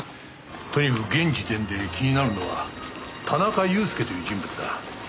とにかく現時点で気になるのは田中裕介という人物だ。